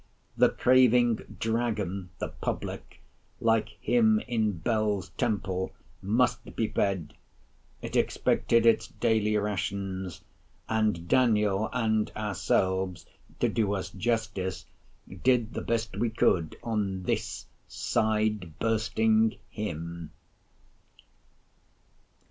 The craving Dragon—the Public—like him in Bel's temple—must be fed; it expected its daily rations; and Daniel, and ourselves, to do us justice, did the best we could on this side bursting him.